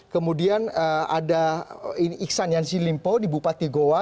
kemudian ada iksan yanshi limpo di bupati goa